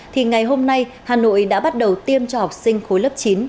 thì ngày hôm nay hà nội đã bắt đầu tiêm cho học sinh khối lớp chín